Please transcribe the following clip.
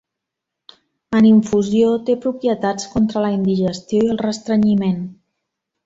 En infusió té propietats contra la indigestió i el restrenyiment.